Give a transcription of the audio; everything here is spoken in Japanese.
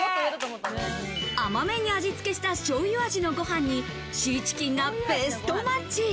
甘めに味つけした醤油味のご飯にシーチキンがベストマッチ。